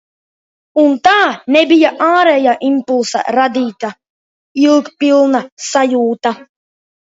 Un tā nebija ārēja impulsa radīta ilgpilna sajūta.